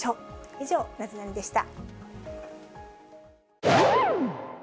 以上、ナゼナニっ？でした。